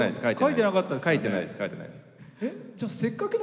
書いてなかったですよね？